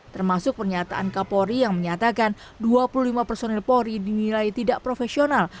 termasuk pernyataan kapolri yang menyatakan dua puluh lima personil polri dinilai tidak profesional